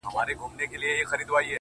o زه هم له خدايه څخه غواړمه تا،